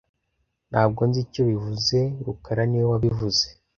Ntabwo nzi icyo bivuze rukara niwe wabivuze